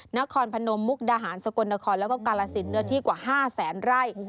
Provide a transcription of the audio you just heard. นครพนมมุกดาหารสกลนครแล้วก็กาลสินเนื้อที่กว่า๕แสนไร่